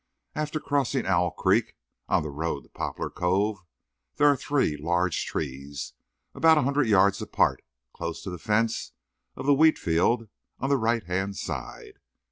After crossing Owl Creek, on the road to Poplar Cove, there are three large trees about a hundred yards apart, close to the fence of the wheat field on the right hand side.